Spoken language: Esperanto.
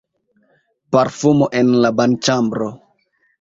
Parfumo en la banĉambro.